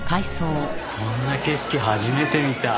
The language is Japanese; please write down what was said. こんな景色初めて見た。